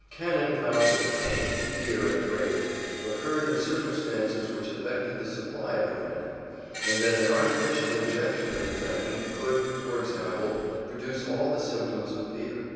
Cannon found that pain, fear and rage occurred in circumstances which affected the supply of adrenin, and that an artificial injection of adrenin could, for example, produce all the symptoms of fear.